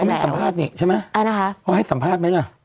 แต่เค้าไม่มาสัมภาษณ์นี่ใช่ไหมเปล่าจะให้สัมภาษณ์ไหมเหรอ